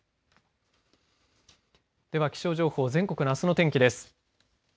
では、気象情報全国のあすの天気です。